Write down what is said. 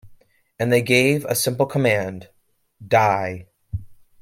And they gave a simple command: Die.